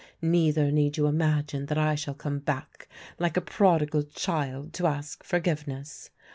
Neither need you imagine that I shall come back like a prodigal child to ask forgiveness.